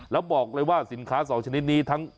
แล้วบอกเลยว่าสินค้า๒ชนิดนี้ทั้ง